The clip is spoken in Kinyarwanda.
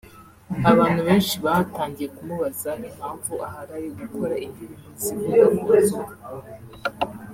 abantu benshi batangiye kumubaza impamvu aharaye gukora indirimbo zivuga ku nzoga